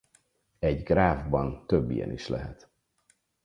Egy gráfban több ilyen is lehet.